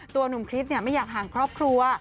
ตัวหนุ่มคริสต์เนี่ยไม่อยากห่างครอบครัว